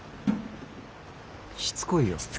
しつこいよ。